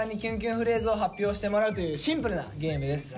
フレーズを発表してもらうというシンプルなゲームです。